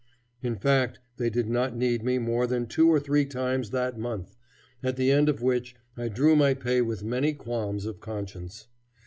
In fact, they did not need me more than two or three times that month, at the end of which I drew my pay with many qualms of conscience.